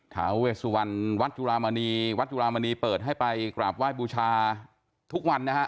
ถาเวสุวรรณวัดจุลามณีวัดจุลามณีเปิดให้ไปกราบไหว้บูชาทุกวันนะฮะ